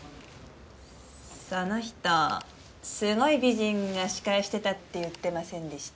その人すごい美人が司会してたって言ってませんでした？